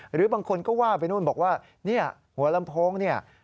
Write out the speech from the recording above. หรือบางคนก็ว่าไปนู่นบอกว่าเนี่ยหัวลำโพงเนี่ย